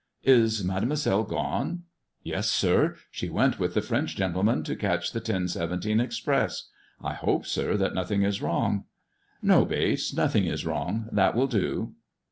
'' Is Mademoiselle gone)" " Yes, sir. She went with the French gentleman to catch the ten seventeen express. I hope, sir, that nothing is wrong 1 " *'No, Bates; nothing is wrong. That will do."